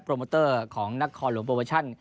โปรโมเตอร์ของนักคอลหลวงโปรโมชั่น